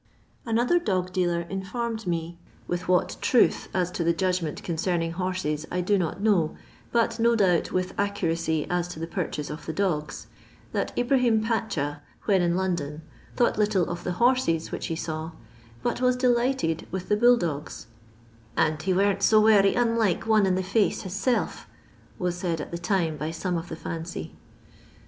Another dog dealer informed me — with what truth as to the judgment concerning horses I do not know, but no doubt with accuracy as to the purchase of the dogs — that Ibrahim Pacha, when in London, thought little of the horses which he saw, but was delighted with the bull dogs, " and he weren't so werry unlike one in the £ace his self," was said at the time by some of the fancy.